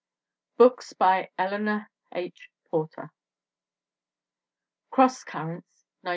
BOOKS BY ELEANOR H. PORT1R Cross Currents, 1907.